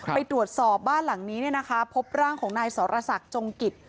ไปตรวจสอบบ้านหลังนี้พบร่างของนายสรษักจงกิจ